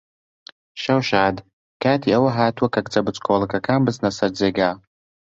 شەو شاد! کاتی ئەوە هاتووە کە کچە بچکۆڵەکەکان بچنە سەر جێگا.